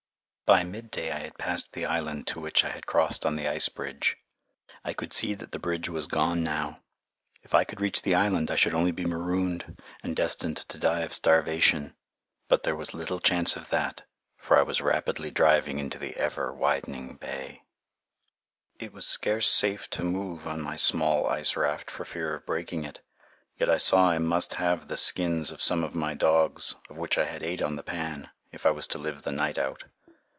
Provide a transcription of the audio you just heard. By mid day I had passed the island to which I had crossed on the ice bridge. I could see that the bridge was gone now. If I could reach the island I should only be marooned and destined to die of starvation. But there was little chance of that, for I was rapidly driving into the ever widening bay. [Illustration: DR. GRENFELL AND JACK WITH THE JACKET MADE FROM MOCCASINS] It was scarcely safe to move on my small ice raft, for fear of breaking it. Yet I saw I must have the skins of some of my dogs, of which I had eight on the pan, if I was to live the night out.